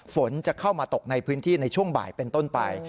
ฝนจะเข้ามาตกในพื้นที่ในช่วงบ่ายเป็นต้นไป